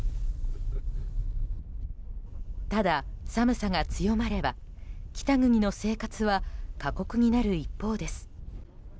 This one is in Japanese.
ただ、寒さが強まれば北国の生活は過酷になる一方です。